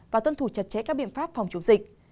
và tuân thủ chặt chẽ các biện pháp phòng chống dịch